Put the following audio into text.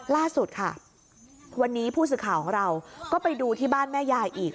ล่าสุดค่ะวันนี้ผู้สื่อข่าวของเราก็ไปดูที่บ้านแม่ยายอีก